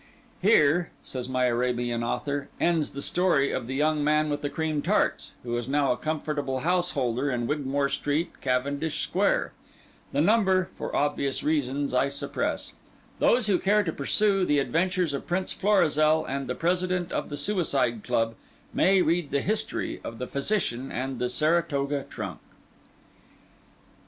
Here (says my Arabian author) ends The Story of the Young Man with the Cream Tarts, who is now a comfortable householder in Wigmore Street, Cavendish Square. The number, for obvious reasons, I suppress. Those who care to pursue the adventures of Prince Florizel and the President of the Suicide Club, may read the History of the Physician and the Saratoga Trunk.